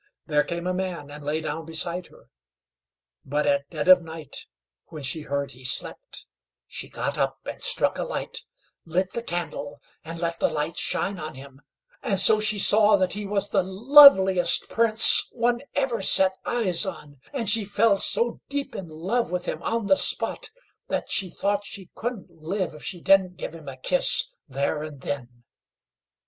There came a man and lay down beside her; but at dead of night, when she heard he slept, she got up and struck a light, lit the candle, and let the light shine on him, and so she saw that he was the loveliest Prince one ever set eyes on, and she fell so deep in love with him on the spot, that she thought she couldn't live if she didn't give him a kiss there and then.